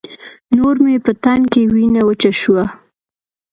نور مې په تن کې وينه وچه شوه.